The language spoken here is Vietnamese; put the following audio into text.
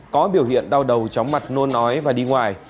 có biểu hiện đau đầu chóng mặt nôn nói